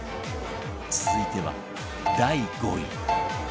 続いては第５位